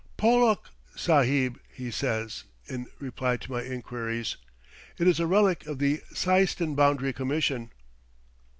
"Pollock Sahib," he says, in reply to my inquiries it is a relic of the Seistan Boundary Commission.